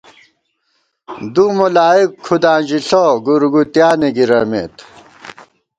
دُوملائک کھُداں ژِݪہ ، گُورگُوتیانے گِرَمېت